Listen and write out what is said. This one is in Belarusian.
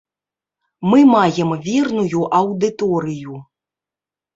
Мы маем верную аўдыторыю.